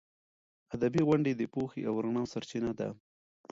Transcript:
ادبي غونډې د پوهې او رڼا سرچینه ده.